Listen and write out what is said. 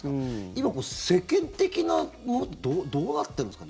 今、世間的なものってどうなってるんですか。